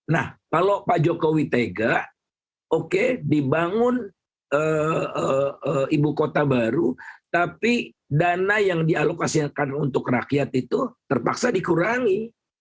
nah kalau pak jokowi tega oke dibangun ibu kota baru tapi dana yang dialokasikan untuk rakyat itu terpaksa dikurangi